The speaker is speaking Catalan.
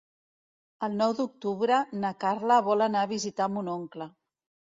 El nou d'octubre na Carla vol anar a visitar mon oncle.